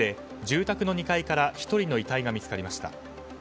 この火事で住宅の２階から１人の遺体が見つかりました。